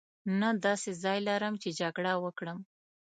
نه داسې ځای لرم چې جګړه وکړم.